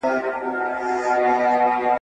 خو زه دي ونه لیدم ..